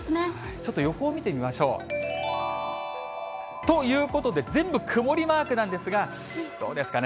ちょっと予報を見てみましょう。ということで、全部曇りマークなんですが、どうですかね？